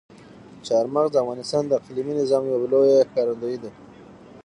چار مغز د افغانستان د اقلیمي نظام یوه لویه ښکارندوی ده.